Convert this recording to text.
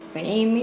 với em ấy